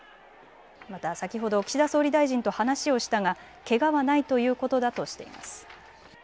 また先ほど岸田総理大臣と話をしたが、けがはないということだとしてます。